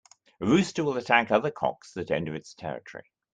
A rooster will attack other cocks that enter its territory.